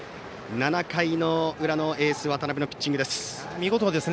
７回の裏のエース、渡辺のピッチングです。